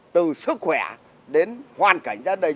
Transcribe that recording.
từ sức khỏe đến hoàn cảnh ra đây